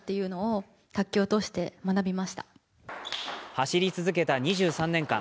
走り続けた２３年間。